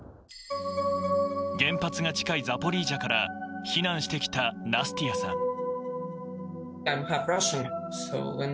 原発が近いザポリージャから避難してきたナスティアさん。